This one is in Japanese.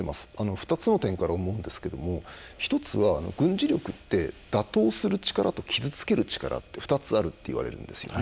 ２つの点から思うんですけども１つは、軍事力って打倒する力と傷つける力の２つあるといわれるんですよね。